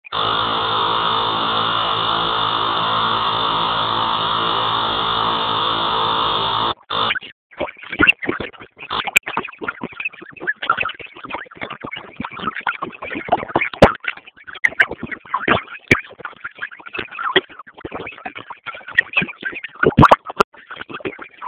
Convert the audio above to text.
Nikaapo dunia,